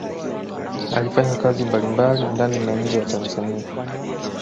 Alifanya kazi mbalimbali ndani na nje ya Tanzania